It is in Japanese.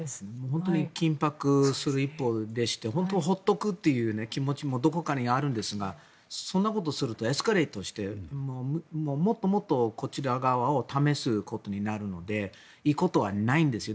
本当に緊迫する一方でして本当、放っとく気持ちもどこかにあるんですがそんなことするとエスカレートして最もっとこちら側を試すことになるのでいいことはないんです。